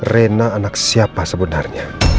rena anak siapa sebenarnya